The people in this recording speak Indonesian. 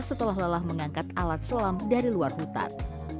setelah lelah mengangkat alat selam dari luar hutan